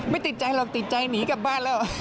ไม่ติดใจหรอกติดใจหนีกลับบ้านแล้ว